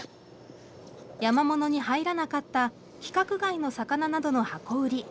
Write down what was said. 山ものに入らなかった規格外の魚などの箱売り。